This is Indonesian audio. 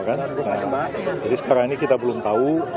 jadi sekarang ini kita belum tahu